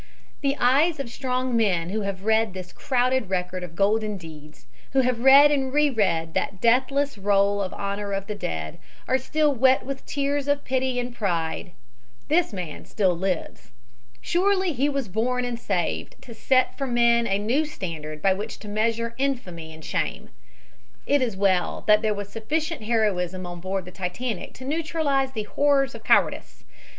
The eyes of strong men who have read this crowded record of golden deeds, who have read and re read that deathless roll of honor of the dead, are still wet with tears of pity and of pride. This man still lives. Surely he was born and saved to set for men a new standard by which to measure infamy and shame. It is well that there was sufficient heroism on board the Titanic to neutralize the horrors of the cowardice.